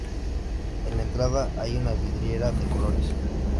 En la entrada hay una vidriera de colores.